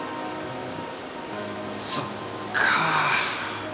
そっかあ。